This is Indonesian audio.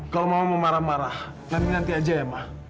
kalau mama mau marah marah nanti nanti aja ya ma